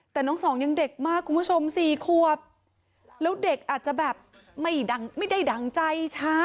แต่น้องสองยังเด็กมากคุณผู้ชม๔ควบแล้วเด็กอาจจะแบบไม่ได้ดั่งใจช้า